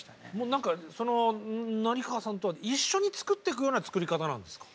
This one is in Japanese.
何かその成河さんとは一緒に作っていくような作り方なんですか？